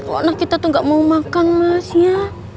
kalau kita tuh gak mau makan mas ya